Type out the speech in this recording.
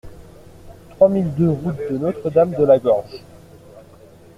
trois mille deux route de Notre-Dame de la Gorge